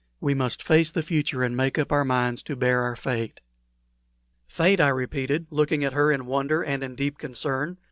We must face the future, and make up our minds to bear our fate." "Fate!" I repeated, looking at her in wonder and in deep concern.